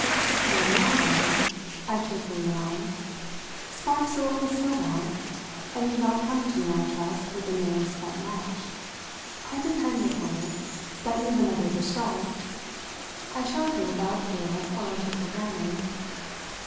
There we are then," I cheerfully went on. "Sparks are what we still want, and you've not come to me, I trust, with a mere spent match. I depend upon it that you've another to strike." I showed her without fear all I took for granted.